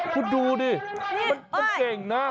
คุณดูดิมันเก่งนะ